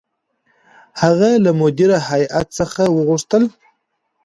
هغه له مدیره هیات څخه وغوښتل.